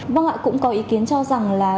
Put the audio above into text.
vâng ạ cũng có ý kiến cho rằng là